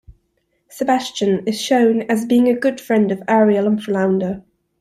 Sebastian is shown as being a good friend of Ariel and Flounder.